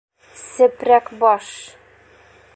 Сепрәк баш...